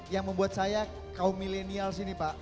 yang membuat saya kaum milenial sini pak